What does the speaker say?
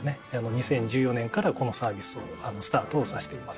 ２０１４年からこのサービスをスタートをさせています。